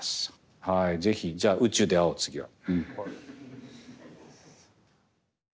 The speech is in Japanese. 是非じゃあ宇宙で会おう次は。